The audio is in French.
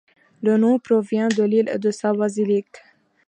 Le nom provient de l'île et de sa basilique.